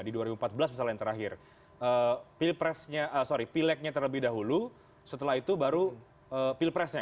di dua ribu empat belas misalnya yang terakhir pileknya terlebih dahulu setelah itu baru pilpresnya